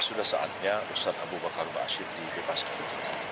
sudah saatnya ustadz abu bakar mba asyir di bebaskan